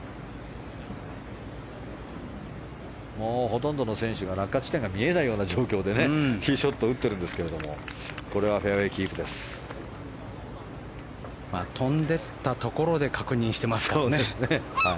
ほとんどの選手が落下地点が見えないような状況でティーショットを打っているんですけれども飛んでいったところで確認してますからね。